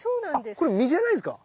これ実じゃないんですか？